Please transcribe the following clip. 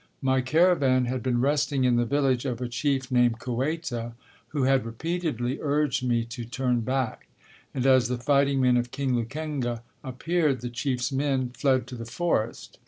My caravan had been resting in the village of a chief named Kueta, who had repeatedly urged me to turn back, and, as the righting men of King Lukenga appeared, the chief's men fled to the forest.